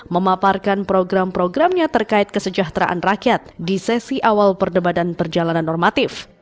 memaparkan program programnya terkait kesejahteraan rakyat di sesi awal perdebatan perjalanan normatif